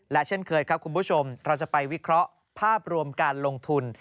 และเช่นเคยครับคุณผู้ชมเราจะไปวิเคราะห์ภาพรวมการลงทุน